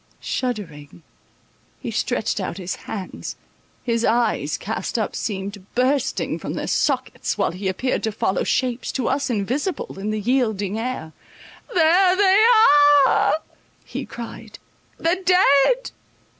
Shuddering, he stretched out his hands, his eyes cast up, seemed bursting from their sockets, while he appeared to follow shapes, to us invisible, in the yielding air—"There they are," he cried, "the dead!